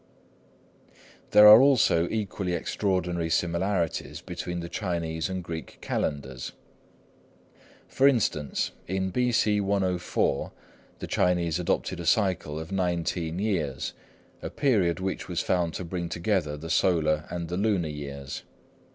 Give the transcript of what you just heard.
There are also equally extraordinary similarities between the Chinese and Greek calendars. For instance, in B.C. 104 the Chinese adopted a cycle of nineteen years, a period which was found to bring together the solar and the lunar years.